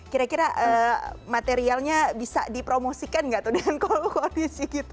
kira kira materialnya bisa dipromosikan nggak tuh dengan kondisi gitu